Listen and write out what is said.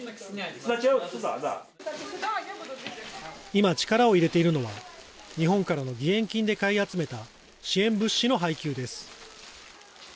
今、力を入れているのは日本からの義援金で買い集めた支援物資の配給です。